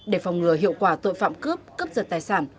để phòng ngừa hiệu quả tội phạm cướp cướp giật tài sản